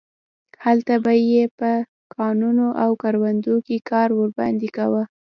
هلته به یې په کانونو او کروندو کې کار ورباندې کاوه.